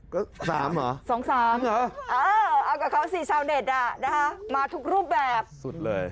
ก็๓เหรอ๒๓เหรอเออเอากับเขาสิชาวเน็ตอ่ะนะคะมาทุกรูปแบบสุดเลย